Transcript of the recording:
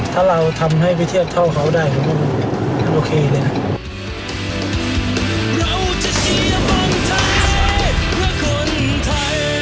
ถ้าเราทำให้พิเทียบเท่าเขาได้ก็โอเคเลยนะ